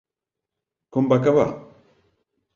Com va acabar?